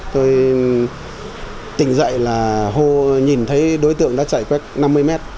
tôi tỉnh dậy là nhìn thấy đối tượng đã chạy qua năm mươi mét